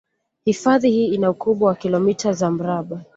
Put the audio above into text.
Hifadhi hii ina ukubwa wa kilometa za mraba